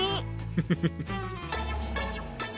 フフフ。